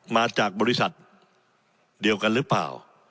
มาจากบริษัทเดียวกันหรือเปล่า